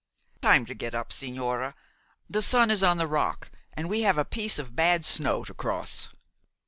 "Time to get up, sigñora. The sun is on the rock, and we have a piece of bad snow to cross."